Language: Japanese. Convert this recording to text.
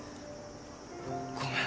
ごめん。